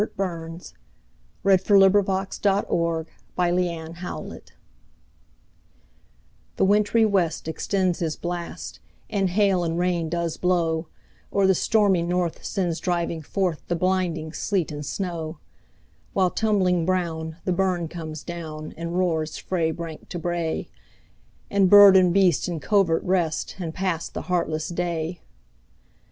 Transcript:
The Harvard Classics. 1909–14. 1781 15 . Winter: A Dirge THE WINTRY west extends his blast, And hail and rain does blaw; Or the stormy north sends driving forthThe blinding sleet and snaw:While, tumbling brown, the burn comes down, And roars frae bank to brae; And bird and beast in covert rest, And pass the heartless day.